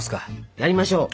やりましょう。